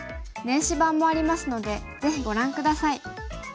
電子版もありますのでぜひご覧下さい。